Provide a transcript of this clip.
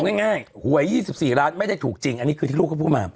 ง่ายหวย๒๔ล้านไม่ได้ถูกจริงอันนี้คือที่ลูกเขาพูดมา